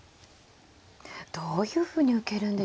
どういうふうに受けるんでしょうか。